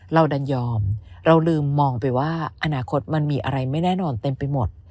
เราดันยอมเราลืมมองไปว่าอนาคตมันมีอะไรไม่แน่นอนเต็มไปหมด